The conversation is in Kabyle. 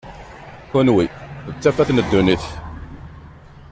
Kenwi d tafat n ddunit.